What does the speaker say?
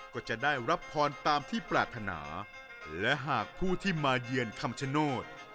ก็จะได้รับพรตามที่ปรารถนาและหากผู้ที่มาเยือนคำชโนธ